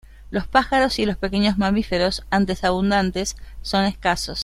Los pájaros y los pequeños mamíferos, antes abundantes, son escasos.